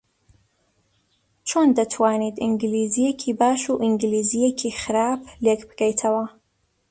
چۆن دەتوانیت ئینگلیزییەکی باش و ئینگلیزییەکی خراپ لێک بکەیتەوە؟